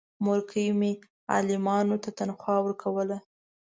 مورکۍ مې عالمانو ته تنخوا ورکوله.